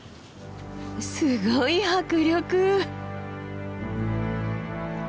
すごい迫力！